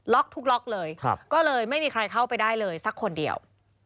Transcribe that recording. ทุกล็อกเลยก็เลยไม่มีใครเข้าไปได้เลยสักคนเดียว